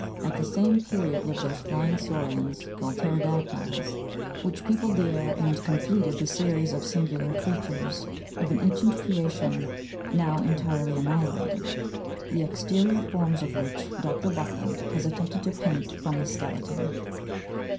At the same period lived those flying saurians, called pteroda'ctyls, which peopled the air and completed the series of singular creatures of an ancient creation, now entirely annihilated, the exterior forms of which Dr. Buckland has attempted to paint from the skeleton (fig.